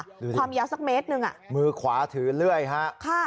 ความยาวสักเมตรหนึ่งอ่ะมือขวาถือเลื่อยฮะค่ะ